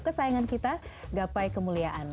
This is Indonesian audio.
kesayangan kita gapai kemuliaan